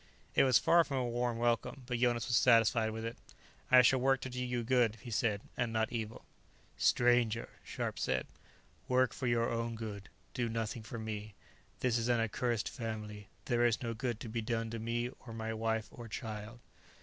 It was far from a warm welcome, but Jonas was satisfied with it. "I shall work to do you good," he said, "and not evil." "Stranger," Scharpe said, "work for your own good; do nothing for me. This is an accursed family; there is no good to be done to me, or my wife or child."